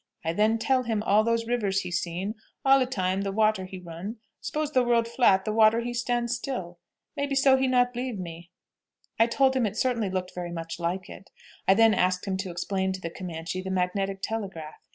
I then tell him all these rivers he seen, all e'time the water he run; s'pose the world flat the water he stand still. Maybe so he not b'lieve me?" I told him it certainly looked very much like it. I then asked him to explain to the Comanche the magnetic telegraph.